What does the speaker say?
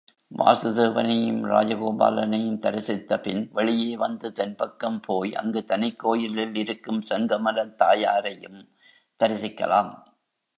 வாசுதேவனையும் ராஜகோபாலனையும் தரிசித்தபின் வெளியே வந்து தென்பக்கம் போய் அங்கு தனிக்கோயிலில் இருக்கும் செங்கமலத் தாயாரையும் தரிசிக்கலாம்.